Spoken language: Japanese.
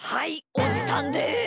おじさんです！